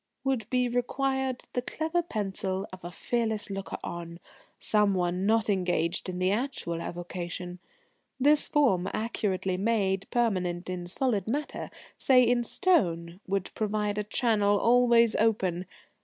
"Would be required the clever pencil of a fearless looker on some one not engaged in the actual evocation. This form, accurately made permanent in solid matter, say in stone, would provide a channel always open.